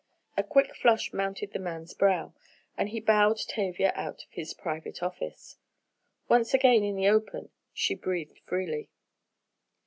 A quick flush mounted the man's brow, and he bowed Tavia out of his private office. Once again in the open, she breathed freely.